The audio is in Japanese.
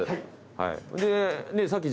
はい。